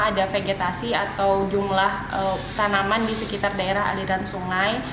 ada vegetasi atau jumlah tanaman di sekitar daerah aliran sungai